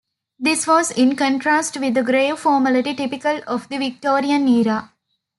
This was in contrast with the grave formality typical of the Victorian era.